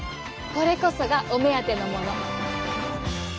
これこそがお目当てのもの。